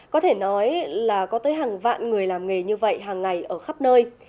có thể nói là có tới hàng vạn người làm nghề như vậy hàng ngày ở khắp nơi